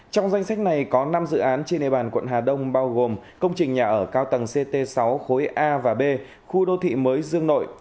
trong danh sách này có năm dự án trên địa bàn quận hà đông bao gồm công trình nhà ở cao tầng ct sáu khối a và b khu đô thị mới dương nội